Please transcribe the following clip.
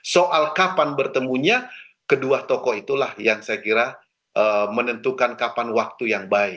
soal kapan bertemunya kedua tokoh itulah yang saya kira menentukan kapan waktu yang baik